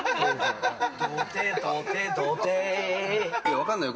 分からないよ。